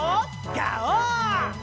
ガオー！